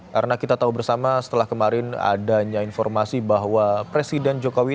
karena kita tahu bersama setelah kemarin adanya informasi bahwa presiden jokowi